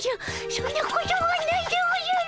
そんなことはないでおじゃる。